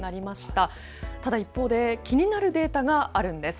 ただ、一方で気になるデータがあるんです。